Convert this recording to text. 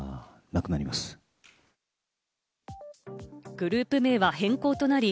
グループ名は変更となり、